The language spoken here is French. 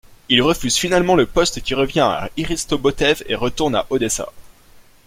Il refuse finalement le poste qui revient à Hristo Botev, et retourne à Odessa.